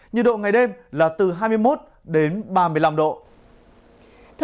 nhiệt độ ngày đêm là từ hai mươi một ba mươi năm độ